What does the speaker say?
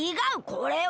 これは。